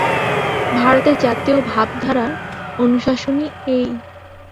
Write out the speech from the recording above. ভারতের জাতীয় ভাবধারার অনুশাসনই এই।